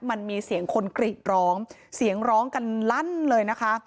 มันมีเสียงคนกรีดร้องเสียงร้องกันลั่นเลยนะคะ